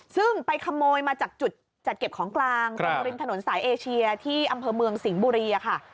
ซึ่งไปขโมยมาจากจุดจัดเก็บของกลางตรงริมถนนสายเอเชียที่อำเภอเมืองสิงห์บุรีค่ะ